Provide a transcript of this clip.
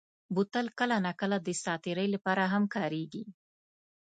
بوتل کله ناکله د ساعت تېرۍ لپاره هم کارېږي.